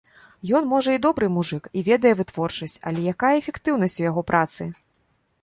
Ён, можа, і добры мужык, і ведае вытворчасць, але якая эфектыўнасць яго працы?